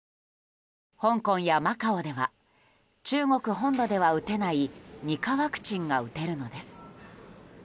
香港やマカオでは中国本土では打てない２価ワクチンが打てるのです。